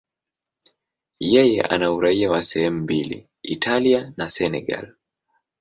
Yeye ana uraia wa sehemu mbili, Italia na Senegal.